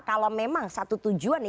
kalau memang satu tujuan